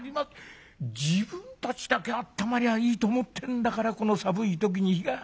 自分たちだけあったまりゃいいと思ってんだからこの寒い時に。